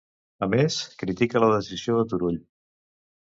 A més, critica la decisió de Turull.